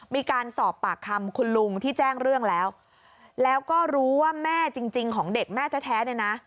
มีการสอบปากคำคุณลุงที่แจ้งเรื่องแล้วแล้วก็รู้ว่าแม่จริงของเด็กแม่แท้เนี่ยนะ